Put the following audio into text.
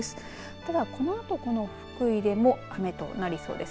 ただこのあとこの福井でも雨となりそうです。